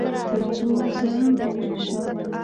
تر څو زه هم پوه شم.